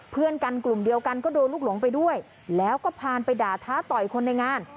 เพื่อนกันกลุ่มเดียวกันก็โดนลูกหลงไปด้วยแล้วก็พาไปด่าท้าต่อยคนในงาน